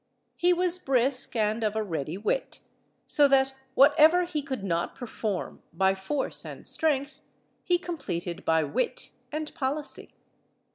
He was brisk and of a ready wit, so that whatever he could not perform by force and strength he completed by wit and policy.